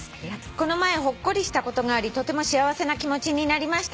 「この前ほっこりしたことがありとても幸せな気持ちになりました」